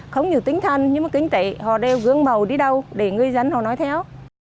không nhiều tinh thần nhưng mà kinh tế họ đều gương màu đi đâu để người dân họ nói theo